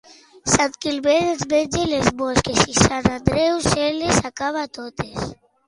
Sant Climent es menja les mosques i Sant Andreu se les acaba totes.